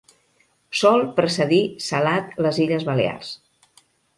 Sol precedir, salat, les illes Balears.